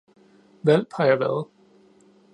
Hvalp har jeg været.